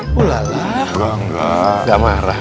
enggak enggak enggak marah kok